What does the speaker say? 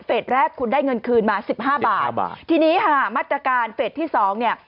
แรกคุณได้เงินคืนมาสิบห้าบาทห้าบาททีนี้ค่ะมาตรการเฟสที่สองเนี่ย